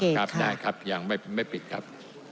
ครับได้ครับยังไม่ปิดครับ